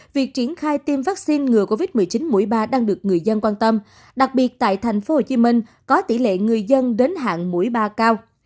việc triển khai tiêm vaccine ngừa covid một mươi chín mũi ba đang được người dân quan tâm đặc biệt tại thành phố hồ chí minh có tỷ lệ người dân đến hạng mũi ba cao